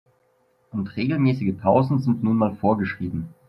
Und regelmäßige Pausen sind nun mal vorgeschrieben.